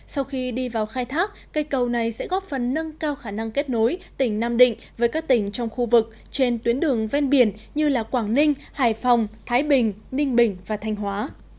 sau khi đi vào khai thác cây cầu này sẽ góp phần nâng cao khả năng kết nối tỉnh nam định với các tỉnh trong khu vực trên tuyến đường ven biển như quảng ninh hải phòng thái bình ninh bình và thanh hóa